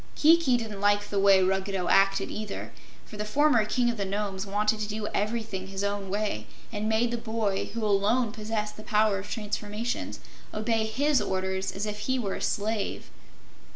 Kiki didn't like the way Ruggedo acted either, for the former King of the Nomes wanted to do everything his own way, and made the boy, who alone possessed the power of transformations, obey his orders as if he were a slave.